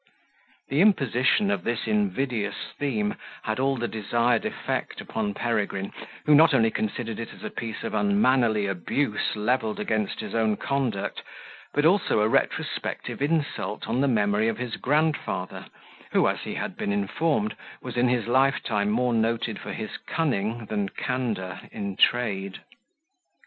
The imposition of this invidious theme had all the desired effect upon Peregrine, who not only considered it as a piece of unmannerly abuse leveled against his own conduct, but also a retrospective insult on the memory of his grandfather, who, as he had been informed, was in his lifetime more noted for his cunning than candour in trade.